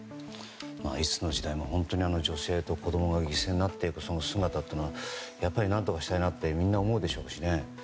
いつの時代も本当に女性と子供が犠牲になっている姿というのは何とかしたいなってみんな思うでしょうしね。